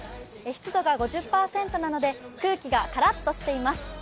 湿度が５０％なので空気がカラッとしています。